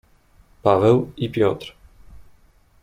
"Paweł i Piotr."